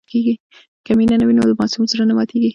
که مینه وي نو د ماسوم زړه نه ماتېږي.